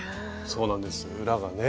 そうなんです裏がね。